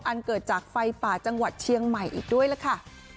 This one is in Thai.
อันเกิดจากไฟป่าจังหวัดเชียงใหม่อีกด้วยล่ะค่ะ